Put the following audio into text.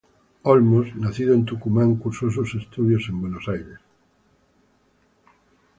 Olmos, nacido en Tucumán, cursó sus estudios en Buenos Aires.